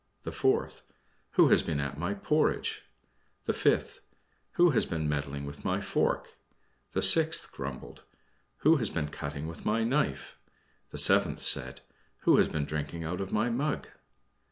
The fourth, "Who has been at my porridge?" The fifth, "Who has been meddling with my fork?" The sixth grumbled out, "Who has been cutting with my knife?" The seventh said, "Who has been drinking out of my mug?"